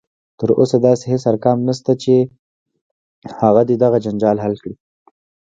تر اوسه داسې هیڅ ارقام نشته دی چې هغه دې دغه جنجال حل کړي